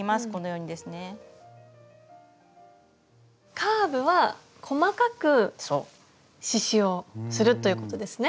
カーブは細かく刺しゅうをするということですね。